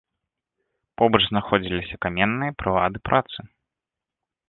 Побач знаходзіліся каменныя прылады працы.